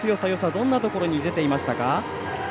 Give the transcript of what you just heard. どんなところに出ていましたか？